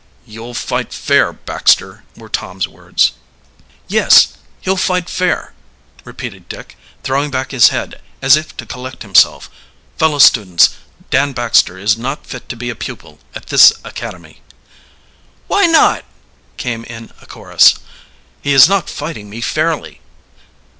"You'll fight fair, Baxter," were Tom's words. "Yes, he'll fight fair," repeated Dick, throwing back his head as if to collect himself. "Fellow students, Dan Baxter is not fit to be a pupil at this academy." "Why not?" came in a chorus. "He is not fighting me fairly."